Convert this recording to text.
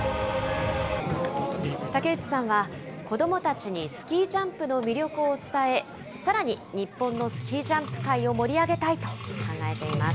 竹内さんは子どもたちにスキージャンプの魅力を伝え、さらに日本のスキージャンプ界を盛り上げたいと考えています。